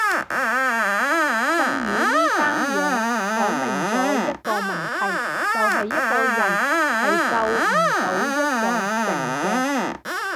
震宇呢單嘢講明咗一個問題就係一個人係救唔到一座城嘅